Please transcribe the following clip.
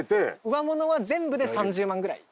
上物は全部で３０万ぐらい。